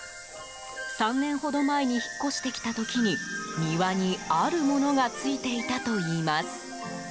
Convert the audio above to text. ３年ほど前に引っ越してきた時に庭に、あるものがついていたといいます。